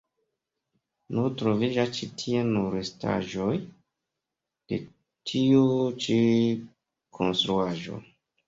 Nun troviĝas ĉi tie nur restaĵoj de tiu ĉi konstruaĵo.